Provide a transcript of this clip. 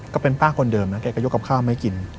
ก็เป็นป้าคนเดิมนะแกก็ยกกับข้าวมาให้กิน